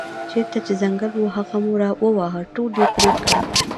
چېرته چې ځنګل و هغه مو وواهه ټول یې پرې کړل.